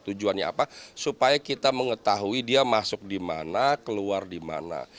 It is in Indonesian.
tujuannya apa supaya kita mengetahui dia masuk di mana keluar di mana